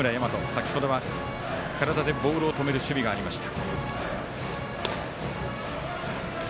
先ほどは体でボールを止める守備がありました。